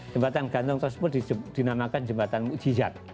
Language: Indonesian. jembatan gantung tersebut dinamakan jembatan mujizat